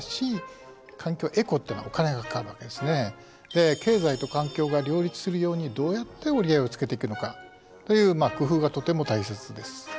で経済と環境が両立するようにどうやって折り合いをつけていくのかという工夫がとても大切です。